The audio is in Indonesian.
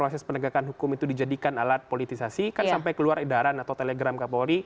proses penegakan hukum itu dijadikan alat politisasi kan sampai keluar edaran atau telegram kapolri